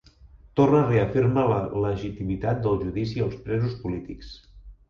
Torra reafirma la legitimitat del judici als presos polítics